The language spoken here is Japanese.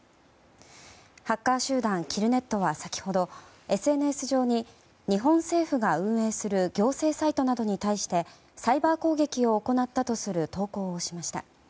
ハッカー集団キルネットは先ほど、ＳＮＳ上に日本政府が運営する行政サイトなどに対してサイバー攻撃を行ったとする投稿をしました。